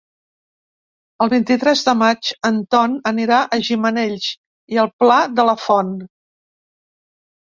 El vint-i-tres de maig en Ton anirà a Gimenells i el Pla de la Font.